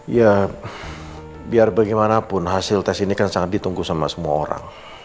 ya biar bagaimanapun hasil tes ini kan sangat ditunggu sama semua orang